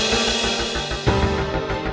lo liat sendiri kan ji